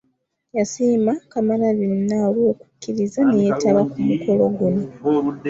Yasiima Kamalabyonna olw’okukkiriza ne yeetaba ku mukolo guno.